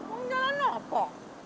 uang jalan apa